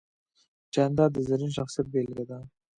جانداد د زرین شخصیت بېلګه ده.